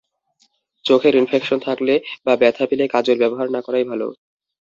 চোখের ইনফেকশন থাকলে বা ব্যথা পেলে কাজল ব্যবহার না করাই ভালো।